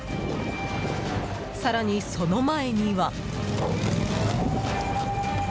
更に、その前には。